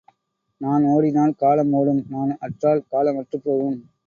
நான் ஓடினால், காலம் ஒடும் நான் அற்றால், காலம் அற்றுப் போகும்.